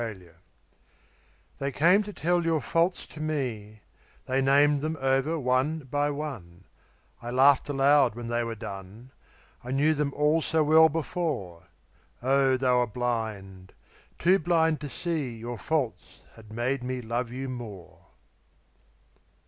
Faults They came to tell your faults to me, They named them over one by one; I laughed aloud when they were done, I knew them all so well before, Oh, they were blind, too blind to see Your faults had made me love you more.